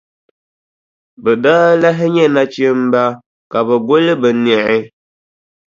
Bɛ daa lahi nya nachimba ka bɛ guli bɛ niɣi.